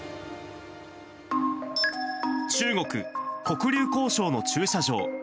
中国・黒竜江省の駐車場。